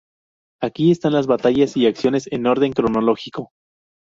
Aquí están las batallas y acciones en orden cronológico.